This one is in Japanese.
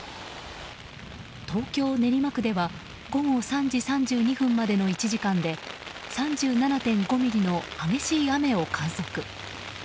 東京・練馬区では午後３時３２分までの１時間で３７．５ミリの激しい雨を観測。